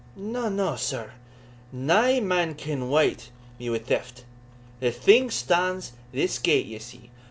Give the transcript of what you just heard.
"Na, na, sir nae man can wyte me wi' theft. The thing stands this gate, ye see.